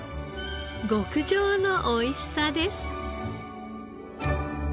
極上のおいしさです。